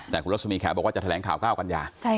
แต่คุณรสมีแขกบอกว่าจะแถลงข่าว๙กันยา